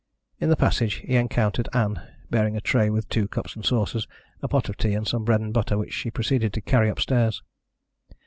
In the passage he encountered Ann, bearing a tray with two cups and saucers, a pot of tea and some bread and butter which she proceeded to carry upstairs.